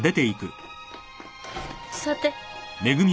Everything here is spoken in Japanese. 座って。